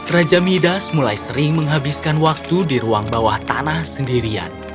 raja midas mulai sering menghabiskan waktu di ruang bawah tanah sendirian